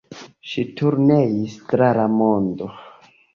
Ŝi turneis tra la mondo.